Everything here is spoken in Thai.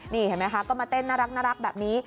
นี่เห็นไหมคะก็มาเต้นน่ารักแบบนี้